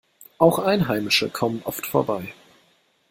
Auch Einheimische kommen oft vorbei.